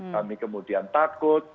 kami kemudian takut